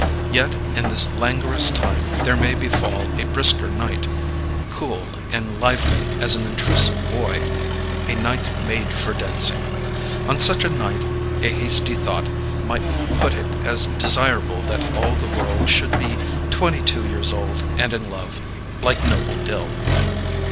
Yet, in this languorous time there may befall a brisker night, cool and lively as an intrusive boy a night made for dancing. On such a night a hasty thought might put it as desirable that all the world should be twenty two years old and in love, like Noble Dill.